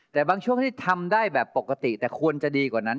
แต่บางช่วงที่ทำได้แบบปกติแต่ควรจะดีกว่านั้น